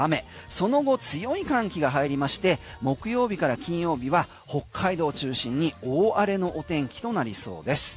その後強い寒気が入りまして木曜日から金曜日は北海道を中心に大荒れのお天気となりそうです。